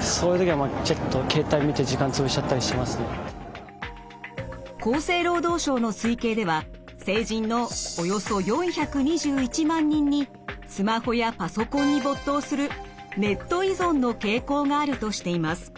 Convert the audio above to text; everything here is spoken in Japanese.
そういう時はちょっと厚生労働省の推計では成人のおよそ４２１万人にスマホやパソコンに没頭するネット依存の傾向があるとしています。